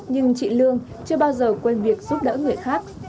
nhưng chị lương chưa bao giờ quên việc giúp đỡ người khác